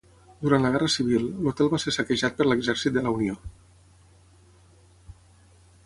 Durant la Guerra Civil, l'hotel va ser saquejat per l'Exèrcit de la Unió.